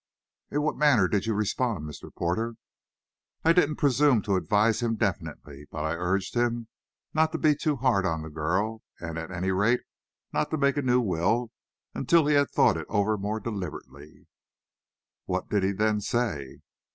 "In what manner did you respond, Mr. Porter?" "I didn't presume to advise him definitely, but I urged him not to be too hard on the girl, and, at any rate, not to make a new will until he had thought it over more deliberately." "What did he then say?"